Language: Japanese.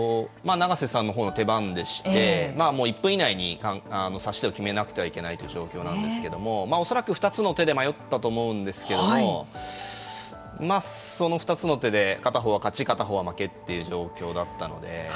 永瀬さんのほうの手番でして、１分以内に指し手を決めなくてはいけないという状況なんですけども恐らく２つの手で迷ったと思うんですけどもまあ、その２つの手で片方は勝ち片方は負けという状況だったので。